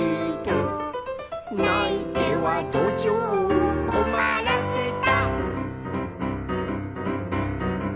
「ないてはどじょうをこまらせた」